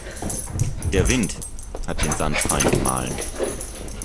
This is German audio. Der Wind hat den Sand fein gemahlen.